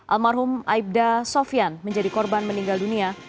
almarhum aibda sofian menjadi korban meninggal dunia